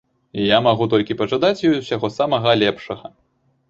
Я магу толькі пажадаць ёй усяго самага лепшага.